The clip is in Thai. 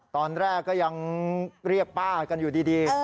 ตอนแรกก็ยังเรียกป้ากันอยู่ดี